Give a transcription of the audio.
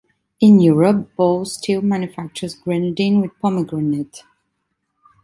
In Europe, Bols still manufactures grenadine with pomegranate.